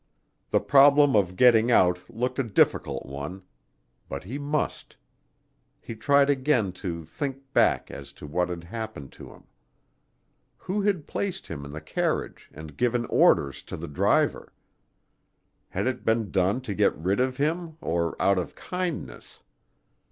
The problem of getting out looked a difficult one. But he must. He tried again to think back as to what had happened to him. Who had placed him in the carriage and given orders to the driver? Had it been done to get rid of him or out of kindness?